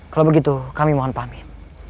kalau begitu kami mohon pamit